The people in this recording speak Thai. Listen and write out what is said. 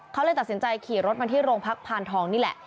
เขาเลยตัดสินใจขี่รถมาที่โรงพักพานทองนี่แหละ